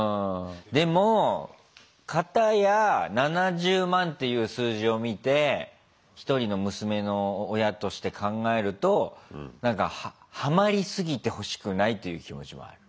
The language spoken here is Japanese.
でも片や７０万っていう数字を見て一人の娘の親として考えるとなんかハマりすぎてほしくないという気持ちもある。